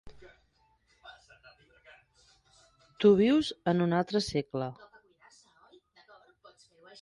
Tu vius en un altre segle.